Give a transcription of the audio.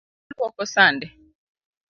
Oluoko sande.